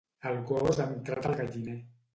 El gos ha entrat al galliner.